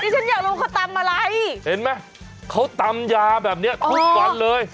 ฉันอยากรู้เขาตำอะไรเห็นไหมเขาตำยาแบบนี้ทุกวันเลย